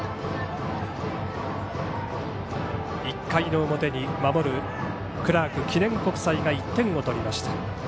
１回の表に守るクラーク記念国際が１点を取りました。